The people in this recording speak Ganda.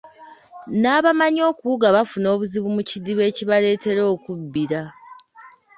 N'abamanyi okuwuga bafuna obuzibu mu kidiba ekibaleetera okubbira.